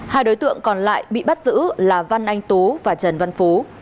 hai đối tượng còn lại bị bắt giữ là văn anh tú và trần văn phú